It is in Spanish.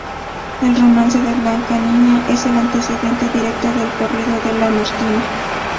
El romance de blanca niña, es el antecedente directo del corrido de la Martina.